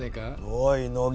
おい乃木